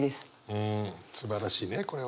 うんすばらしいねこれは。